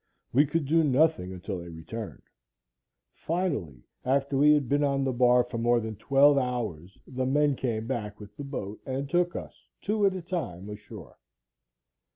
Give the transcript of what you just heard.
We could do nothing until they returned. Finally, after we had been on the bar for more than twelve hours, the men came back with the boat and took us, two at a time, ashore.